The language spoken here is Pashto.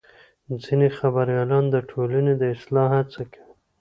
ځینې خبریالان د ټولنې د اصلاح هڅه کوي.